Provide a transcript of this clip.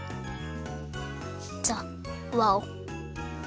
ざっ！わお。